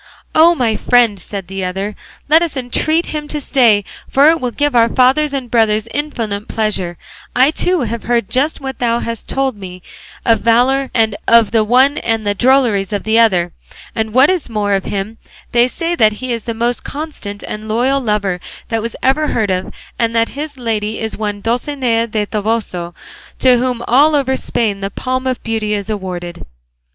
"Oh, my friend," said the other, "let us entreat him to stay; for it will give our fathers and brothers infinite pleasure; I too have heard just what thou hast told me of the valour of the one and the drolleries of the other; and what is more, of him they say that he is the most constant and loyal lover that was ever heard of, and that his lady is one Dulcinea del Toboso, to whom all over Spain the palm of beauty is awarded."